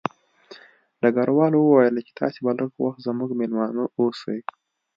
ډګروال وویل چې تاسې به لږ وخت زموږ مېلمانه اوسئ